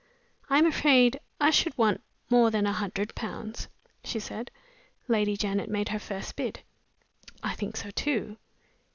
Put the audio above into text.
"I am afraid I should want more than a hundred pounds," she said. Lady Janet made her first bid. "I think so too."